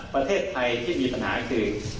ประเทศไทยที่มีปัญหาคือ